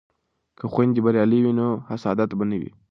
که خویندې بریالۍ وي نو حسادت به نه وي.